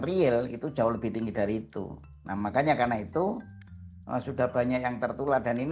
real itu jauh lebih tinggi dari itu nah makanya karena itu sudah banyak yang tertular dan ini